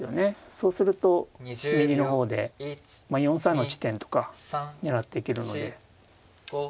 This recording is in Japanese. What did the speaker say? そうすると右の方で４三の地点とか狙っていけるので。